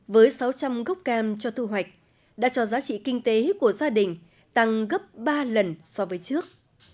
với sáu trăm linh gốc cam cho thu hoạch đã cho giá trị kinh tế của gia đình tăng gấp ba lần so với trước